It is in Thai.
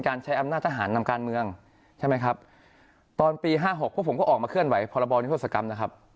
ครับตอนปี๕๖พวกผมก็ออกมาเขื่อนไวผรบวนยธจกรรมนะครับ